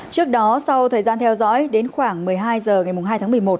trước đó sau thời gian theo dõi đến khoảng một mươi hai h ngày hai tháng một mươi một